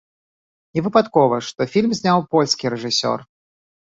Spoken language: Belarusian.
Не выпадкова, што фільм зняў польскі рэжысёр.